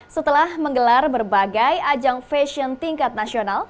setelah menggelar berbagai ajang fashion tingkat nasional